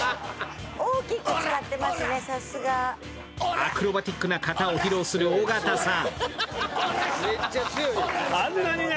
アクロバティックな形を披露する尾形さん。